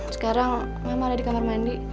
sekarang mama udah di kamar mandi